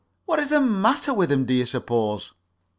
What is the matter with 'em, do you suppose?"